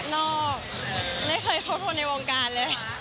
นอกไม่เคยพบคนในวงการเลย